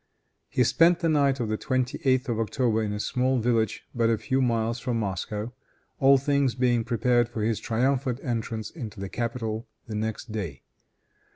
He spent the night of the 28th of October in a small village but a few miles from Moscow, all things being prepared for his triumphant entrance into the capital the next day.